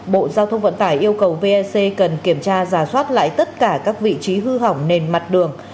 bộ giao thông vận tải yêu cầu vec cần kiểm tra giả soát lại tất cả các vị trí hư hỏng nền mặt đường